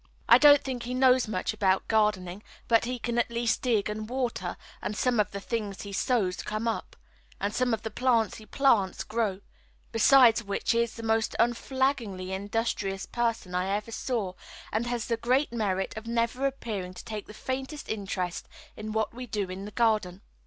I don't think he knows much about gardening, but he can at least dig and water, and some of the things he sows come up, and some of the plants he plants grow, besides which he is the most unflaggingly industrious person I ever saw, and has the great merit of never appearing to take the faintest interest in what we do in the garden.